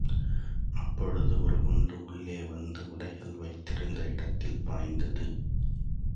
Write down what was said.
அப்பொழுது ஒரு குண்டு உள்ளே வந்து உடைகள் வைத்திருந்த இடத்தில் பாய்ந்தது.